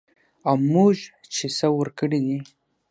او موږ چې څه ورکړي دي